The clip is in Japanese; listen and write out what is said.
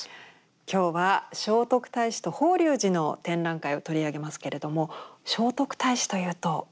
今日は聖徳太子と法隆寺の展覧会を取り上げますけれども聖徳太子というと。